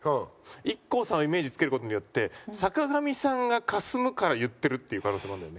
ＩＫＫＯさんをイメージ付ける事によって坂上さんがかすむから言ってるっていう可能性もあるんだよね。